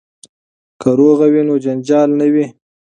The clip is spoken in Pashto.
که روغه وي نو جنجال نه وي.